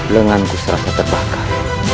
lenganku serasa terbakar